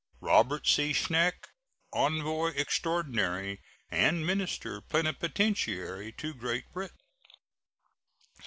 Robert C. Schenck, envoy extraordinary and minister plenipotentiary to Great Britain.